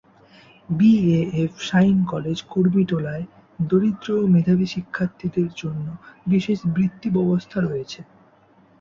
B A F Shaheen college কুর্মিটোলায় দরিদ্র ও মেধাবী শিক্ষার্থীদের জন্য বিশেষ বৃত্তি ব্যবস্থা রয়েছে।